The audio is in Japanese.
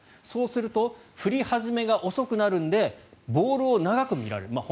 そうすると振り始めが遅くなるのでボールを長く見られる。